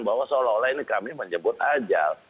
bahwa seolah olah ini kami menyebut ajal